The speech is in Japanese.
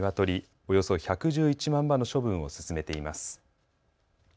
およそ１１１万羽の処分を進めています。